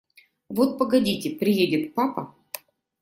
Вот погодите, приедет папа…